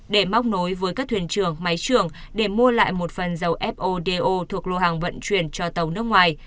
để móc nối với các thuyền trưởng máy trưởng để mua lại một phần dầu fodo thuộc lô hàng vận chuyển cho tàu nước ngoài